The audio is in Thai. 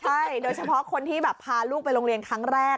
ใช่โดยเฉพาะคนที่แบบพาลูกไปโรงเรียนครั้งแรก